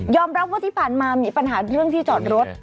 รับว่าที่ผ่านมามีปัญหาเรื่องที่จอดรถ